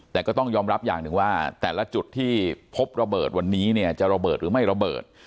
แต่ก็ต้องยอมรับอย่างหนึ่งว่าแต่ละจุดที่พบระเบิดวันนี้เนี่ยจะระเบิดหรือไม่ระเบิด